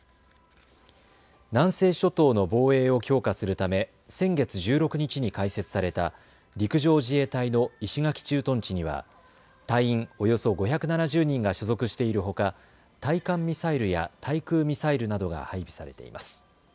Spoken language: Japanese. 南西諸島の防衛を強化するため先月１６日に開設された陸上自衛隊の石垣駐屯地には隊員およそ５７０人が所属しているほか、対艦ミサイルや対空ミサイルなどが配備されています。